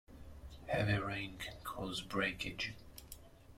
Heavy rain can cause breakage.